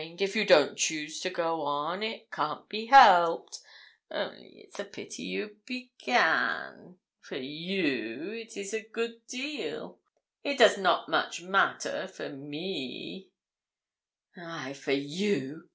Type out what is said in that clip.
If you don't choose to go on, it can't be helped; only it's a pity you began. For you it is a good deal it does not much matter for me.' 'Ay, for you!'